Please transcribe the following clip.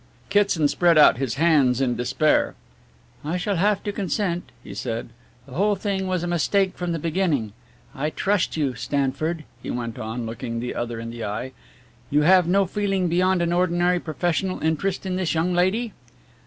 Kitson spread out his hands in despair. "I shall have to consent," he said, "the whole thing was a mistake from the beginning. I trust you, Stanford," he went on, looking the other in the eye, "you have no feeling beyond an ordinary professional interest in this young lady?"